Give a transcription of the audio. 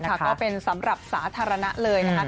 ก็เป็นสำหรับสาธารณะเลยนะคะ